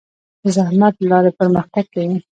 د زحمت له لارې پرمختګ کوي.